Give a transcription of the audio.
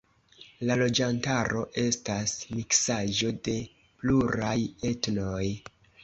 La loĝantaro estas miksaĵo de pluraj etnoj.